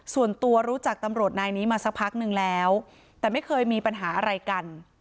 ส่วนตัวรู้จักตำรวจนายนี้มาสักพักนึงแล้วแต่ไม่เคยมีปัญหาอะไรกัน